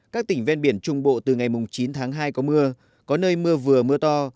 các tỉnh ven biển trung bộ từ ngày chín tháng hai có mưa có nơi mưa vừa mưa to